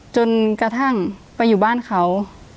จนกระทั่งไปอยู่บ้านเขา